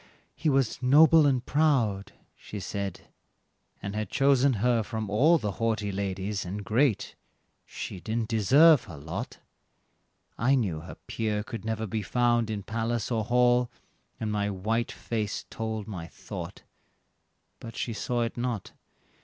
"He was noble and proud," she said, "and had chosen her from all The haughty ladies, and great; she didn't deserve her lot." I knew her peer could never be found in palace or hall, And my white face told my thought, but she saw it not.